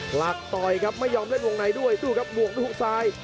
หลักต่อยครับไม่ยอมเล่นวงในด้วยดูครับบวกด้วยฮุกซ้าย